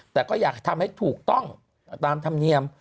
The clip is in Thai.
แต่ก็อยากทำให้ถูกต้องตามธรรมเนียม